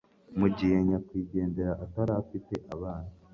mu gihe nyakwigendera atarafite abana